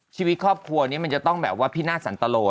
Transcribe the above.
ชีวิตครอบครัวนี้มันจะต้องแบบว่าพินาศสันตโล